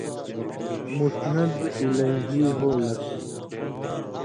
مُسند الیہ ہو لکھہ